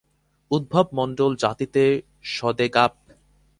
উদ্ধব মন্ডল জাতিতে সদেগাপ